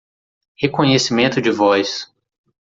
Reconhecimento de voz.